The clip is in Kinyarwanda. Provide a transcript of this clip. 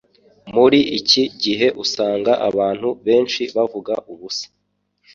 Muri iki gihe usanga abantu benshi bavuga ubusa